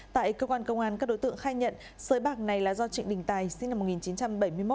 tại cơ quan công an các đối tượng khai nhận sới bạc này là do trịnh đình tài sinh năm một nghìn chín trăm bảy mươi một